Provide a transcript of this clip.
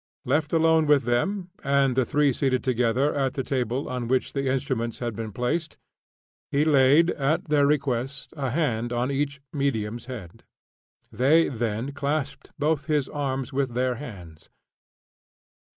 Left alone with them, and the three seated together at the table on which the instruments had been placed, he laid, at their request, a hand on each medium's head; they then clasped both his arms with their hands.